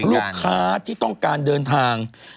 ลูกค้าที่ต้องการเดินทาง